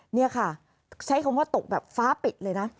นี่ค่ะใช้คำว่าตกแบบฟ้าปิดเลยนะ